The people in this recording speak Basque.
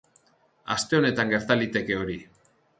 Aste honetan gerta liteke hori.